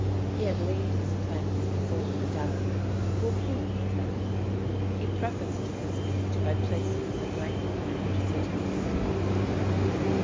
He had laid his plans before Medallion, who approved of them. He prefaced the speech by placing the blank marriage certificate on the table.